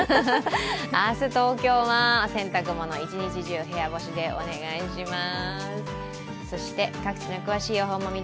明日、東京は洗濯物１日中部屋干しでお願いします。